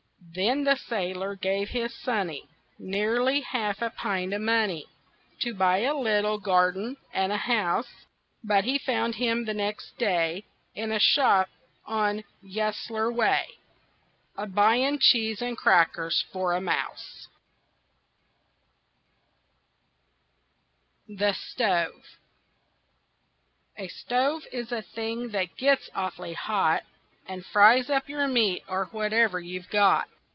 Then the sailor gave his sonny Nearly half a pint of money To buy a little garden and a house; But he found him the next day, In a shop on Yesler Way, A buying cheese and crackers for a mouse. [Illustration: HE GAVE HER ALL HIS MONEY FOR A ROSE] THE STOVE A stove is a thing that gets awfully hot, And fries up your meat, or whatever you've got.